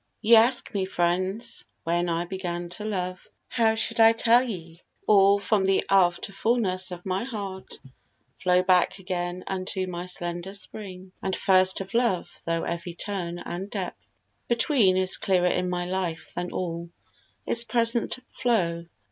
Ye ask me, friends, When I began to love. How should I tell ye? Or from the after fulness of my heart, Flow back again unto my slender spring And first of love, tho' every turn and depth Between is clearer in my life than all Its present flow.